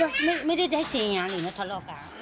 คือตัวใหญ่กว่าออฟอิก